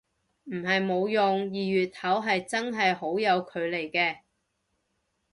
唔係冇用，二月頭係真係好有距離嘅